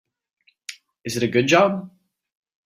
Is it a good job?